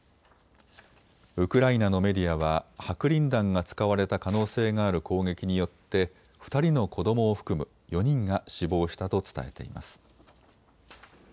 ウクライナのメディアは白リン弾が使われた可能性がある攻撃によって２人の子どもを含む４人が死亡したと伝えています。